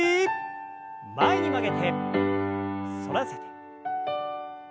前に曲げて反らせて。